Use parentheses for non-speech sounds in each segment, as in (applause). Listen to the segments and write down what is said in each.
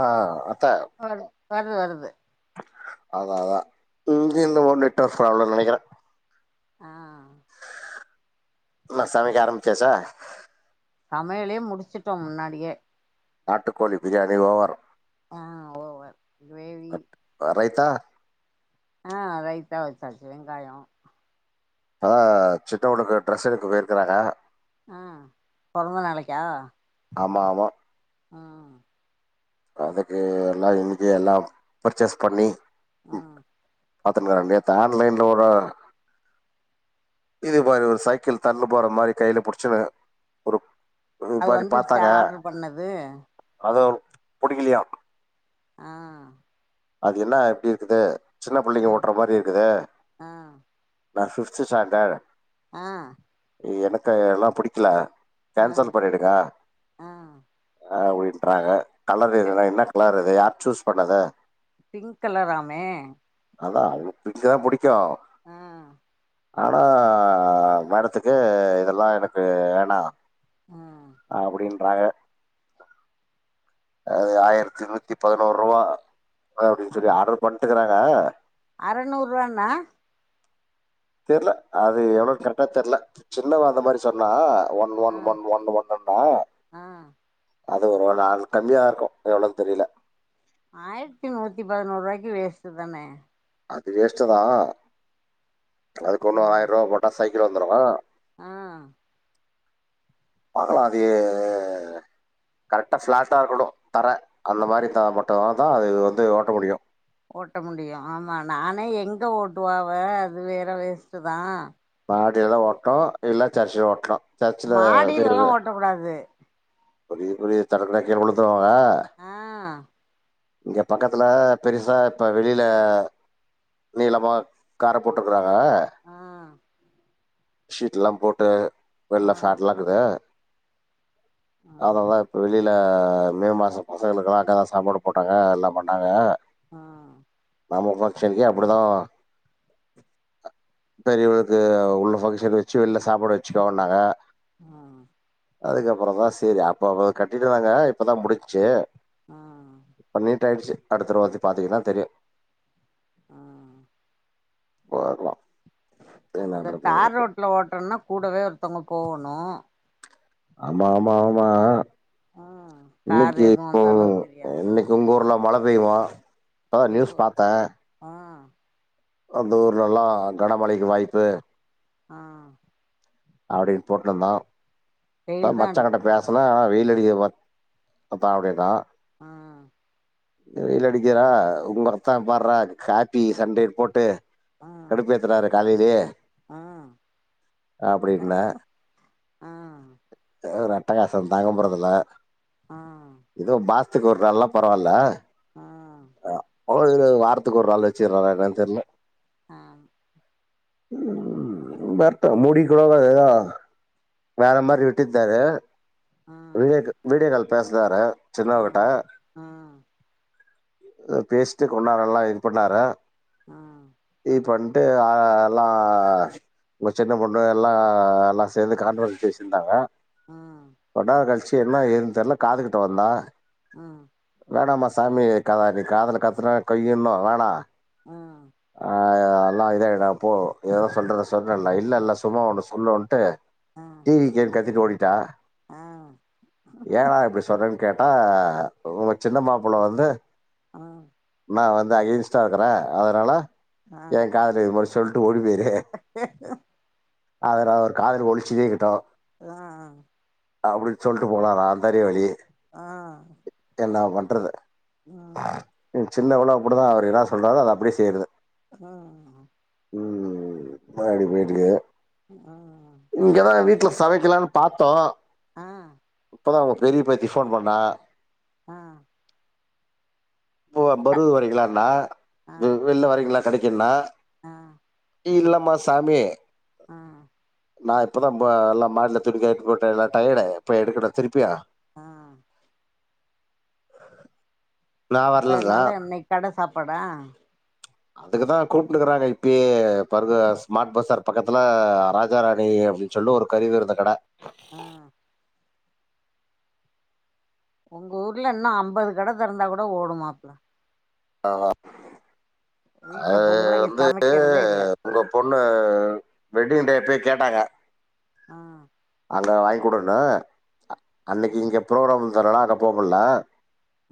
ஆ ஆ அ வரு வருது வருது அதா அதா இங்க என்னவோ நெட்டாஃப் ப்ராப்ளன் நெனைக்கிற ஆ அ என்னா சமைக்க சரி ஆரம்பிச்சாசா? சமையலே முடிச்சுட்டோ முன்னாடியே நாட்டுக்கோழி பிரியாணி ஓவர். ஆ ஓவர் கிரேவி அ ரைத்தா ஆ ரைத்தா வச்சாச்சு வெங்காயொ ஆ சித்தாகொள்ளுக்கு ட்ரெஸ் எடுக்க போயிருக்கறாங்க ஆ பொறந்த நாளைக்கா ஆமா ஆமா ஆ அதுக்கு எல்லா இன்னைக்கு எல்லா பர்ச்சேஸ் பண்ணி ம் பாத்துருந்த நேத்து ஆன்லைன்லோ ஓரு இது மாரி ஒரு சைக்கிள் தண்டு போற மாரி கையில புடிச்சுன்னு ஒரு இது அது மாரி வந்துருச்சா பாத்தாங்க ஆட்ரு பண்ணது புடிக்கலியா ஆ அது என்ன எப்டி இருக்குது சின்ன ஆ பிள்ளைங்க ஓட்டுற மாரி இருக்குது ஆ நா பிஃப்த் ஸ்டாண்டர்ட் ஆ எனக்கு எல்லா புடிக்கல ஆ கேன்சல் பண்ணிடுங்க ஆ அப்டின் பண்றாங்க கலர் எதுன்னா என்ன கலர் அது யார் சூஸ் பண்ணது பிங்க் கலர்ராமே அதான் உனக்கு பிங்தா புடிக்கு ஆ ஆனா மேடத்துக்கு இதெல்லா எனக்கு வேணா ம் அப்படின்றாங்க அது ஆயிரத்தி நூத்தி பதினோரு ரூவா அப்டின்னு சொல்லி ஆர்டர் பண் எட்டுக்கறாங்க அறநூறுரூவானா தெர்ல அது எவ்ளோனு கரெக்டா தெர்ல சின்னவ அந்த மாரி சொன்னா ஒன் ஆ ஒன் ஒன் ஒன் ஒன்னுனு ஆ அது ஒரு நாள் கம்மியா இருக்கு எவ்ளோனு தெரில ஆயிரத்தி நூத்தி பதினோரு ரூவாய்க்கு வேஸ்டுதானே அது வேஷ்டுதா அதுக்கு ஆ ஒன்னு ஆயிர ரூவா போட்டா சை கீழ வந்துருமா ஆ பாக்கலா அதி எ கரெக்டா பிளாட்டா இருக்கணு தர அந்த மாரிதா மட்டும்தான்தான் இது வந்து ஓட்ட முடியு ஒட்ட முடியு ஆமா நானே எங்க ஒட்டுவாவ அது வேற வேஸ்ட்டுதா மாடிலதா ஒட்டு இல்ல சர்ச்ல ஒட்டணு மாடிலலெல்லா ஓட்டக்கூடாது ஒரு இப்டி தடந்தா கீழ விழுந்துரு ப ஆ இங்க பக்கத்துல பெருசா இப்ப வெளில நீளமா கார போட்டுருக்கறாங் க ஆ சீட்ல்லாம் போட்டு ஆ வெள்ள ஃபேன்டெல்லா இக்குது ஆ அததா இப்ப வெளில் ல மே மாசோ பசங்ளுக்லா அங்கதா சாப்பாடு போட்டாங்க எல்லாம் பண்ணாங்க ஆ நம்ம ஃபன்க்ஷன்க்கே அப்டிதா பெரியவர்க்கு உள்ள ஃப சேரி வெச்சு வெளில சாப்பாடு வெச்சுக்கோன்ங்கனாங்க ஆ அதுக்கப்புறோந்தா சேரி அப்போ ப கட்டிருவாங்க இப்பதா முடிஞ்ச்சு ஆ பன்னீர் ட்டாய்ச்சு அடுத்தர்வ வத்தி பாத்திங்கனா தெரியு அ போயர்லா தேனாட்றது இருக்கு ல ஓட்றோன்னா கூடவே ஒர்த்தங்க போணு ஆமா ஆமா ஆமா ம் கார் இன்னிக்கு எதுவு வந்தாலு (inaudible) தெரியாது இன்னிக்கு உங் ஊர்ல மழப் திகமா அதா நியூஸ் எங்கோ பாத்த ஆ அந்த ஊர்லல்லா கனமழைக்கு வாய்ப்பு அ அப்டி போட்ணுந்தா தா வெயில் மச்சாங்கட்ட அடிக்குது பேசன அனா வெய்லு (unintelligible) அ வெயில் அடிக்கிர்டா உங் அத்தா பார்றா காப்பி சண்டே போட்டு கடுப்பேத்துராரு காலைலே அ அப்டின்ன ஓர் அட்டகாஸம் தாங்க முறதுல்ல ஆ ஆ இதோ பாஸ் த்துக் ஒர் நாள் நா பரவால்ல அ அவரு வார்த்துக் ஒருநாள் வச்சுற்றாறா என்னன் தெர்ல அ ம் வர்ட்டு முடி (unintelligible) வேறமாரி விட்டித்தாரு வீடியேக்கு வீடியோக்கால் பேசறாரு ஆ சின்னவகட்ட ஆ பேசிட்டு கொண்னேரல்லா இது பண்ணாரா ஆ இ பன் விட்டு எல்லா உங்க சின்ன பொண்ணு எல்லா எல்லா சேர்ந்து கான்பிரன்ஸ் பேசியிருந்தாங்கல ம் கொட கழ்ச்சி என்ன ஏ தெர்ல காதுகுட்ட வந்தா ம் வேணாமா சாமி கதா நீ காதுல காத்துன கய்யுன்னு வேணா ஆ அ ஆ இல்ல இத அப்போ இதா சொல்றத சொல்றேன்ல இல்ல இல்ல சும்மா ஒன்னு சொல்லுவன்ட்டு டி வி கே ன் கத்திட்டு ஓடி டா அ சொல்றேன்னு கேட்டா உங்க சின்ன மாப்பிள்ள வந்து அ நா வந்து அகென்ஸ்ட்டா இருக்கறே அதனால ஆ ஏ காதுல இது மாரி சொல்டு ஓடுது ஏ ஹே அதுல ஒரு காதுல (unintelligible) அ அ அ அப்டின் சொல்ட்டு போனனா அந்த அறிவாளி ஆ இன்னா பண்றது அ சின்ன புள்ள அப்டிதா அவரு இன்னா சொல்றாறோ அத அப்டியே செய்றது ஆ (unintelligible) ஆ சமைக்கலான் பாத்தோ ஆ அப்போ தா உங்க பெரிய பேத்தி ஃபோன் பண்ணா ஆ (unintelligible) வரிங்ளானா வ வெள்ல வரிங்க கடைக்கின்னா அ இல்லம்மா சாமி அ நா இப்பதா ம எல்லா மாட்ல துணி காய போட்ட நா டயடு இப்ப எடுக்கட்ட திருப்பியா ஆ ஆஹ இப்ப அதனால இன்னைக் கட சாப்பாடா அதுக்குதா கூப்புன்குறாங்க இப்பியே பருதா ஸ்மாட் பஸ்ஸார் பக்கத்துல ராஜாரராணி அப்டின் சொல்லி ஒரு கருவிருந்த கட அ உங்க ஊர்ல இன்னு அம்பது கட தெறந்தா கூட ஓடுமாப்ல ஆமா வீட்ல அது பொம்பளைங்க வந்து சமைக்கிறதே இல்ல உங்க பொண்ணு வெட்டிங் டே ப்பவே கேட்டாங்க அ நா வாங்கி குடுண்ண அ ஆ அன்னைக்கு இங்க ப்ரோக்ராம் இத்தன நாளா அங்க போகல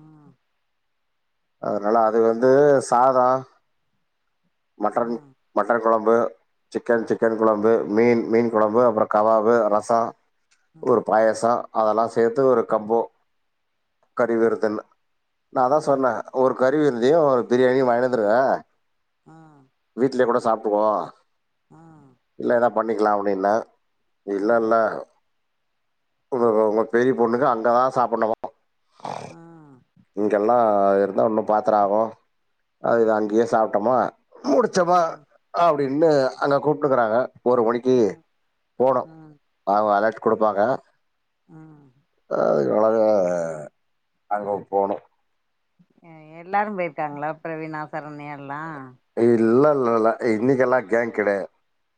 ம் அதனால அது வந்து சாதம் ஆ மட்டன் மட்டன் கொழம்பு சிக்கன் சிக்கன் கொழம்பு மீன் மீன் கொழம்பு அப்புறம் கபாபு ர சம் ஒரு பாயசம் அதெல்லாம் சேர்த்து ஒரு கம்போ கறிவிருத்தன் நா தா ஆ சொன்னே ஒரு கரி வி (unintelligible) யும் ஒரு பிரியாணி வாங்கிடு வந்திருவ ஆ வீட்ல கூட சாப் டுவோ ஆ இல்ல எதா பண்ணிக்கலாம் அப்டின இல்ல ஆ இல்ல ஒங் ஒங்க பெரிய பொண்ணுக்கு அங்கதான் சாப்புண்ணும் ஆ (unintelligible) இங்கெல்லா இருந்தா ஒன்னும் பாத்திர ஆகும் அ இது அங்கேயே சாப்பிட்டோமா முடிச்சமா ஆ ஆ அப்படின்னு அங்க கூப்பிட்டுக்கறாங்க ஒரு மணிக்கு போனோம் ஆ அவங்க அலர்ட் கொடுப்பாங்க ம் அழகா அங்க போனு எ எல்லாரும் போயிருக்காங்களா பிரவீணா சரண்யல்லா இல்ல இல்லல்ல இன்னிக்கெல்லாம் கேங் கிடையாது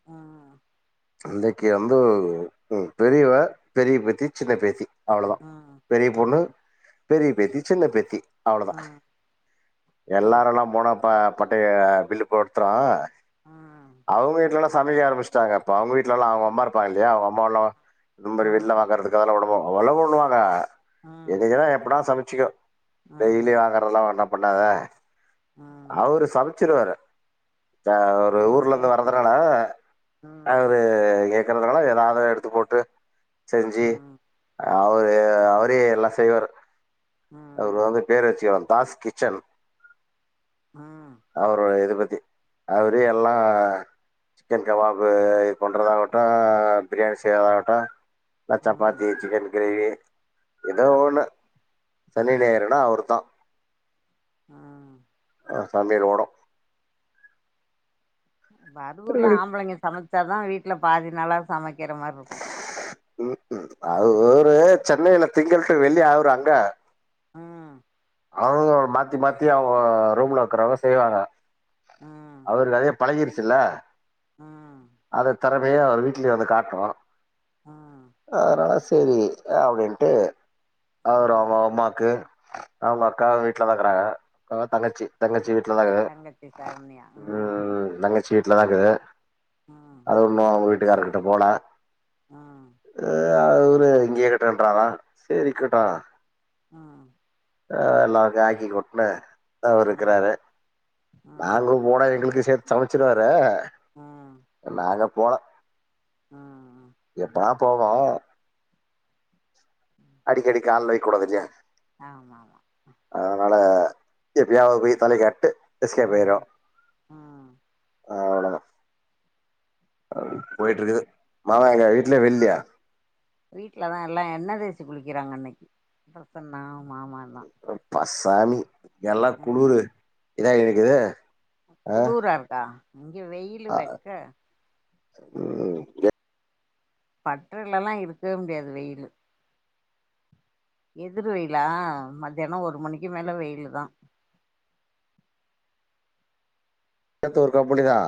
ஆ அந்தைக்கு வந்து ம் பெரியவ பெரிய பேத்தி சின்ன பேத்தி அவ்வளோதான் ஆ பெரிய ஆ பொண்ணு பெரிய பேத்தி சின்ன பேத்தி அவ்ளோ தா ஆ மூணு எல்லாரு எல்லா போனாப்ப பட்டே பில்லு போடுத்துறான் ஆ அவங்க இல்லன்னா சமைக்க ஆரம்பிச்சிட்டாங்க இப்ப அவங்க வீட்டுல எல்லாம் அவங்க அம்மா இருப்பாங்கல்லையா அவங்க அம்மாலா ரொம்ப ஆ வெளில வாங்கறது அதல உடம்ப அவ்வள பண்ணுவாங்க ஆ என்னைக்னா எப்படா சமைப் சிக்கோ ஆ டெய்லி வாங்கறதுல்லா வேண்டாப் பண்ணாத ஆ அவரு சமச்சிருவாரு த ஒரு ம் ஊர்ல இருந்து ஜெயஸ்வ வரதுனால ம் து கேக்கறதுனால ஏதாவது எடுத்து போட்டு செஞ்சி ம் அவ ரு அவரே எல்லா செய்வாரு அவருக் ம் வந்து பேரு வச்சி வந் தாஸ் கிச்சன் ம் அவர் இது பத் கி அவரே எல்லா சிக்கன் கவாப் ப்பு இது பண்ணுறதாவட்டு பிரியாணி செய்யறதாகட்டு இல்ல சப்பாத்தி ம் சிக்கன் கிரேவி ஏதோ ம் ஒன்னு சனி ஞாயிறுனா அவருதா ம் ஆ சமையல் ஓடும் பரூகூர்லா ஆம்பளைங்க சமச் வச்சாதா வீட்ல பாதி நல்லா சமைக்கிற மாரி இருக்கூ ம்கும் அவரு சென்னைல திங்கள் டூ வெள்ளி அவரு அங்க ம் அவங்க மாத்தி மாத்தி அவங்க ரூம்ல இக்குறவங்க செய்வாங்க ம் அவருக்கு அதே பழகிருச் ல்ல ம் தெறமைய வீட்லியு வந்து காட்னூ ம் அதனால சேரி அப்டின்ட்டு அவரு ம் அவங்க அம்மாக்கு அவங்க அக்காவு வீட்ல தா இக்குறாங்க அக்காவா தங்கச்சி தங்கச்சி வீட் ட்லதா இரு தங்கச்சி சரண்யா ம் ம் தங்கச்சி ட்லதா இருக்கு ம் அது ஒண்ணு வீட் ட்டுகாருகிட்ட போல ம் ஆ அது ஒரு இங்கயே கட்டுன்றாரா சேரி இருக்கட்டு ம் ஆ எல்லாருக்கு ஆக்கி கொட்னே அவர் ம் இருக்கிறாரு நாங்களு ம் போனா எங்களுக்கு சேத் சமைச்சிருவாரு ஆ போல ஆ எப்பனா போவே அடிக்கடிக்கு கால்லயு கூப்ட வச்சே ஆமா ஆமா ஆ எப்பயாவது போய் தலைய காட்டிட்டு எஸ்கேப் ஆகிருவோ ம் ம் அவ்ளதா அப்டியே போயிட்டு இருக்குது மாமா எங்க வீட்லயே வெளிலயா வீட்லதா எல்லா எண்ணெய் தேச்சி குளிக்கிறாங்க இன்னக்கி பிரசன்னாவு மாமா தா சானி எல்லா குளுரு இதா இருக்கது குளூராருக்கா இங்க வெயிலு வெக்க உம் பட்ருலெல்லா இருக்கவே முடியாது வெயிலு எதுரு வெயிலா மத்யானம் ஒரு மணிக்கு மேல வெயிலு தா நேத்து ஒருக்கப்படிதா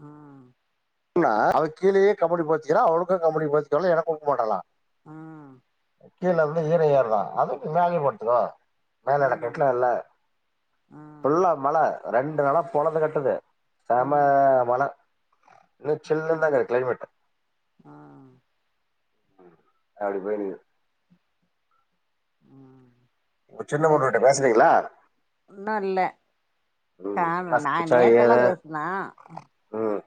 ஆ புன்னா அவரு கீழயே கம்போடு போச்சிக்கலா அவனுக்கும் கம்பெடி போச்சிக்கலா எனக் கூப் மாட்டல்லா உம் கீழ வந்து ஈர ஏறு தா அது மேல பட்த்துக்கோ மேல என்ன ம் கட்லா இல்ல ம் ஃபுல்லா மழ ரெண்டு நாளா பொழந்து கட்டுது செம ம் மழ இனு ம் ஜில்லுந்தாருக் கிளைமேட் ம் ம் அப்டி பெய்து ம் சின்ன பொண்ணுகிட்ட பேசுனீங்களா இன்னு இல்ல ம் கால்னு என்ன நா சமச்சா நேத்தெல்லா ஏது பேசுனா ம்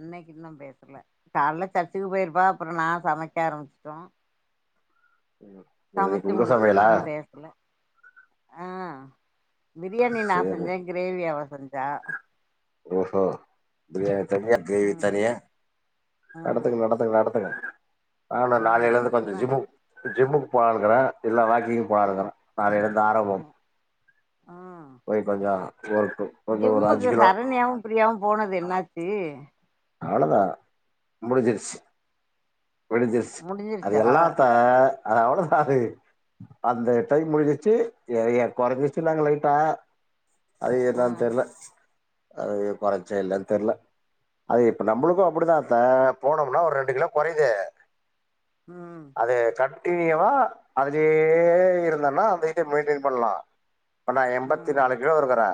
இன்னைக்கு இன்னும் பேசல காலைல சர்ச்சுக்கு போயிருப்பா அப்றோ நா சமைக்க ஆரம்பிச்சுட்டோ இன்னகி உங்க சமயலா ஹம் பிரியாணி நா சேரி செஞ்சேன் கிரேவிவ அவ ஜா ரோஷோ பிரியாண் தனியா தேவி ம் தனியா ம் நடத்துங்க நடத்துங்க நடத்துங்க ஆனா ம் நாளைலழுந்து பாத் அதுக்குதா ஜிம்மு ஜிம்முக்கு போ ஆலுங்கள இல்ல வாக் நியு போலாறான ம் நாளைல இருந்து ஆரம்போ ம் ம் கொஞ்சோ ஒரு அஞ்சு ஜிம்முக்கு கிலோ சரண்ணியவு அப்படியாவு போனது என்னாச்சி அவளோதா முடிஞ்சிருச்சி விடுஞ்சுருசு அது முடிஞ்சிருச்சா எல்லாத்த அதது அவ்ளோதா அது அந்த டைம் முடிஞ்சிச்சு குறைஞ்சிச்சு நாங்க லலைட்டா அது என்னான் ம் தெர்ல அது குறைஞ்சா இல்லன்னு தெர்ல அது இப்ப நம்மளுக்கு அப்டித்தான்த்த போனோம்னா ஒரு ரெண்டு கிலோ குறையுது ம் அது கட் ட்டியவ அதுலயே இருந்தன்னா அந்தயிட்ட மெயின்டென் பண்ணலா ப்ப நா என்பத்து நாலு ம் கிலோ இருக்றே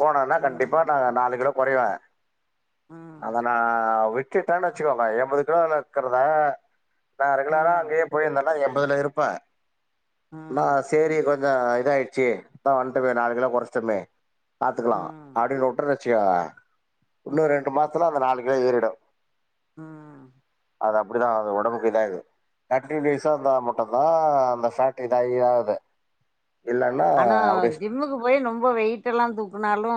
போனோனா கண்டிப்பா ம் நா நாலு கிலோ கொரைவ ம் அதன விட் விட்டேன்னு வச்சுக்கோங்க எம்பது கிலோல இருக்கறதா நா ரெகுலரா ம் அங்கேயே போயிருந்தேனா எம் முதல்ல இருப்ப மா ம் சேரி கொஞ் ஞ்ச இதாயிடுச்சு அதா வந்துட்டுமே நாலு கிலோ குறேச்சுடுமே பாத்துக்லா ம் அப்டின்னு வுட்டுரு சியோங்க இன்னு ரெண்டு மாஸ்த்தல அந்த நாலு இன்னோ ஏரிடு உ ம்ம் அது அப்டிதா ஆகு ஓடம்புக்கு இதாயிரு தேட்டீன் டேஸ்சா இருந்தா மட்டுந்தா அந்த ஃபேட் இதாயி ஆகுதுல ஆனா ஜிம்முக்கு போய் ரொம்ப வெயிட்டெல்லா தூக்குனாலு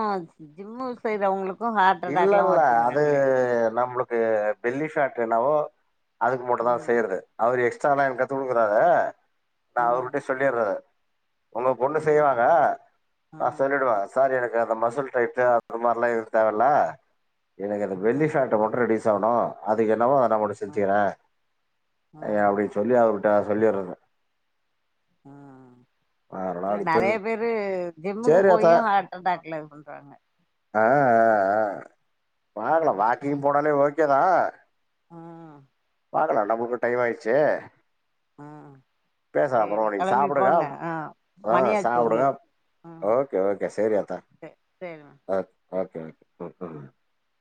ஜிம்மு செய்ற அவங்களுக் இல்ல இல்ல அது நம்ளுக் கு பெல்லி ஃபேட் என்னவோ அதுக்கு மட்டுந்தா ம் செய்ருது அவரு எக்ஸ் ஸ்ட்ரால எனக்கு கத்து குடுக்குறாரே நா ம் அவுருகிட்டே சொல்லியறே உங்க பொண்ணு ம் செய்வாங்க நா ம் சொல்லிடுவே சார் எனக் ங்க அந்த மசல் டைட்டு அந்த மார்லா இரு தேவல்லே எனக்கு அந்த பெல்லி ஃபேட்டு ம் மட்டு ரெடியூஸ் ஆவுணு அதுக்கென்னவோ நா ம் முடிச்சுத்தியரே ஏ அப்டி ம் சொல்லி அவு டா சொல்லியருவே ம் இல்ல அப்படி பெரு நெறைய பேரு ஜிம்முக்கு சரி அத்தா போயு அட்டர்டாக்குல சொல்றாங்க ஆ அ அ வாங்கலா வாக்கிங் போனாலே ஓக் கேதா ம் பாக்கலா நம்மளுக்கு டைம் ஆயிடுச்சு ம் பேசலா அப்பறோ சேரி நீங்க கெளம்பி சாப்புடுங்க போங்க ஆ ஆ மணியாச்சு சாப்பிடுங்க உங்களுக்கு ம் ஓகே ஓகே சேரி ஆத்தா சே சேரிம்மா ஓக் சே ஓகே ஓகே (unintelligible)